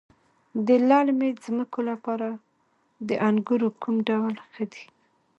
د للمي ځمکو لپاره د انګورو کوم ډول ښه دی؟